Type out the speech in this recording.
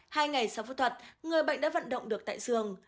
hai ngày sau phẫu thuật người bệnh đã vận động được tại giường